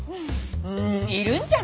んいるんじゃない？